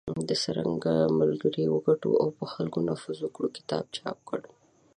د"څرنګه ملګري وګټو او په خلکو نفوذ وکړو" کتاب چاپ کړ .